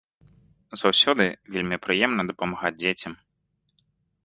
Заўсёды вельмі прыемна дапамагаць дзецям.